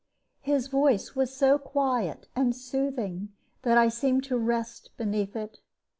His voice was so quiet and soothing that I seemed to rest beneath it.